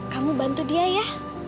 kamu bantu dia ya